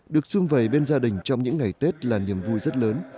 được xuân vầy bên gia đình trong những ngày tết là niềm vui rất lớn